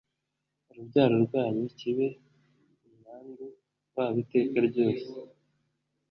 urubyaro rwanyu kibe umwandu wabo iteka ryose